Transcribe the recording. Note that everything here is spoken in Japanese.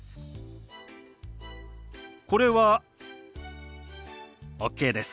これはＯＫです。